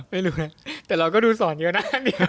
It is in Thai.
ไม่รู้นะแต่เราก็ดูสอนเยอะนะ